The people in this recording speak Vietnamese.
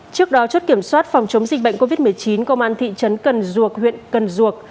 trước đó chốt kiểm soát phòng chống dịch bệnh covid một mươi chín công an thị trấn cần duộc huyện cần duộc